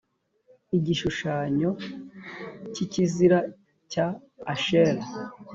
igishushanyo cy ikizira cya ashera